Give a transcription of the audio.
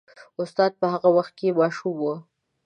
استاد په هغه وخت کې ماشوم و.